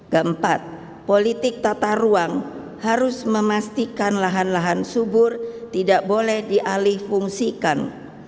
keempat politik tata ruang harus memastikan lahan lahan subur tidak boleh dialih fungsikan